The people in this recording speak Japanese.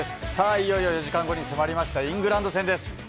いよいよ４時間後に迫りました、イングランド戦です。